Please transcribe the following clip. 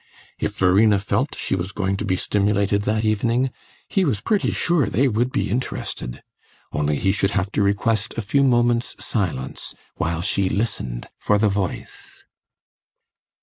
If Verena felt she was going to be stimulated that evening, he was pretty sure they would be interested. Only he should have to request a few moments' silence, while she listened for the voice.